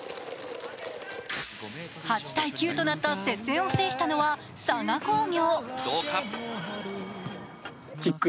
８−９となった接戦を制したのは佐賀工業。